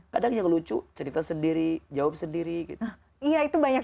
kadang yang lucu cerita sendiri jawabannya sendiri dan kemudian dia menangis itu saja ya kan